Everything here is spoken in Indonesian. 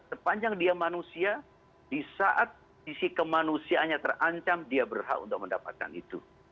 sepanjang dia manusia di saat sisi kemanusiaannya terancam dia berhak untuk mendapatkan itu